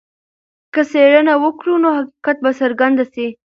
که څېړنه وکړو نو حقیقت به څرګند سي.